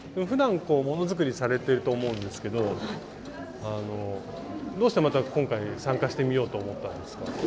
ふだんものづくりされてると思うんですけどどうしてまた今回参加してみようと思ったんですか？